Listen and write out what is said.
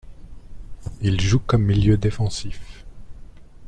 Il joue comme milieu défensif.